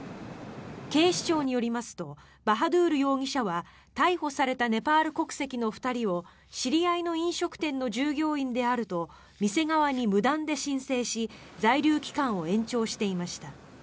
警視庁によりますとバハドゥール容疑者は逮捕されたネパール国籍の男２人を知り合いの飲食店の従業員であると店側に無断で申請し在留期間を延ばしていました。